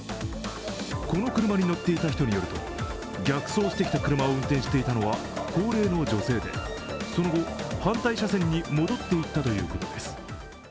この車に乗っていた人によると、逆走してきた車を運転していたのは高齢の女性で、その後、反対車線に戻っていったということです。